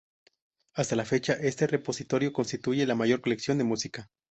Hasta la fecha, este repositorio constituye la mayor colección de música.